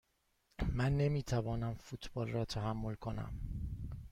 من نمی توانم فوتبال را تحمل کنم.